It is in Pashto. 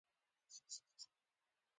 په همدې پیسو هر ډول